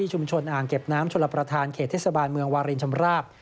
อ่างเก็บน้ำชลประธานเขตเทศบาลเมืองวารินชำราบ